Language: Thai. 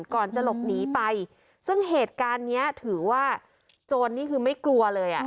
ก่อนจะหลบหนีไปซึ่งเหตุการณ์นี้ถือว่าโจรนี่คือไม่กลัวเลยอ่ะ